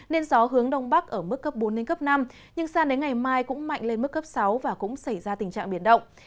nên gió hướng đông bắc ở mức cấp bốn đến cấp năm nhưng sang đến ngày mai cũng mạnh lên mức cấp sáu và cũng xảy ra tình trạng biển động